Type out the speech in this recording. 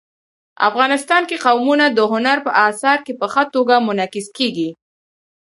افغانستان کې قومونه د هنر په اثار کې په ښه توګه منعکس کېږي.